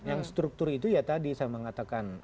yang struktur itu ya tadi saya mengatakan